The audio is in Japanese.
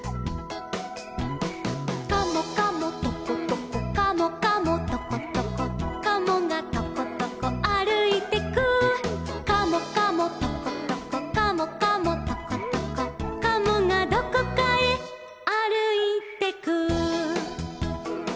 「カモカモトコトコカモカモトコトコ」「カモがトコトコあるいてく」「カモカモトコトコカモカモトコトコ」「カモがどこかへあるいてく」